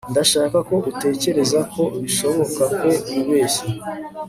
ndashaka ko utekereza ko bishoboka ko wibeshye